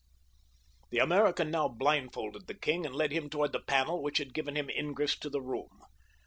The American now blindfolded the king and led him toward the panel which had given him ingress to the room.